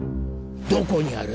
どこにある？